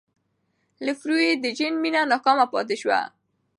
لفروی د جین مینه ناکام پاتې شوه.